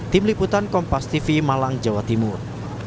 tim liputan kompas tv malang jawa timur